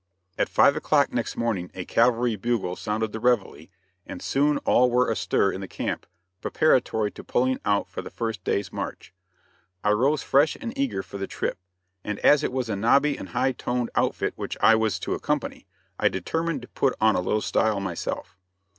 At five o'clock next morning a cavalry bugle sounded the reveille, and soon all were astir in the camp, preparatory to pulling out for the first day's march. I rose fresh and eager for the trip, and as it was a nobby and high toned outfit which I was to accompany, I determined to put on a little style myself.